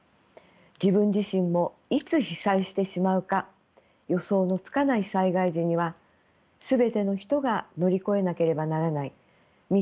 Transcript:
自分自身もいつ被災してしまうか予想のつかない災害時には全ての人が乗り越えなければならない３つのハードルが存在します。